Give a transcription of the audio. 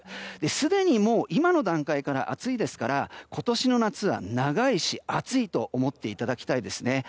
すでに今の段階から暑いですから今年の夏は長いし暑いと思っていただきたいですね。